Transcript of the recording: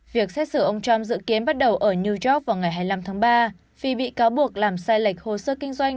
việc xét xử ông trump dự kiến bắt đầu ở new york vào ngày hai mươi năm tháng ba vì bị cáo buộc làm sai lệch hồ sơ kinh doanh